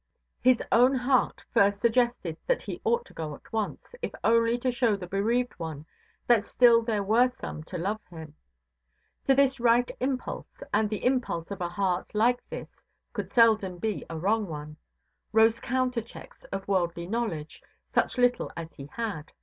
His own heart first suggested that he ought to go at once, if only to show the bereaved one that still there were some to love him. To this right impulse—and the impulse of a heart like this could seldom be a wrong one—rose counter–checks of worldly knowledge, such little as he had.